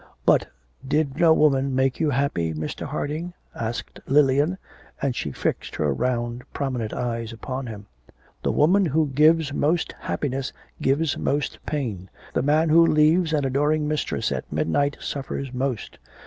'But did no woman make you happy, Mr. Harding?' asked Lilian, and she fixed her round, prominent eyes upon him. 'The woman who gives most happiness gives most pain. The man who leaves an adoring mistress at midnight suffers most.